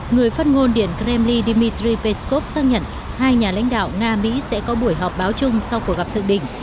người phát ngôn điện kremli dmitry peskov xác nhận hai nhà lãnh đạo nga mỹ sẽ có buổi họp báo chung sau cuộc gặp thượng đỉnh